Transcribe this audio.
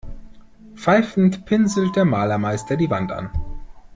Pfeifend pinselt der Malermeister die Wand an.